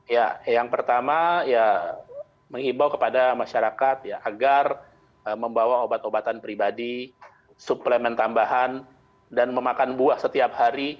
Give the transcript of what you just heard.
ya yang pertama ya menghimbau kepada masyarakat ya agar membawa obat obatan pribadi suplemen tambahan dan memakan buah setiap hari